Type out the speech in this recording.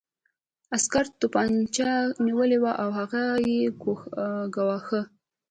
عسکر توپانچه نیولې وه او هغه یې ګواښه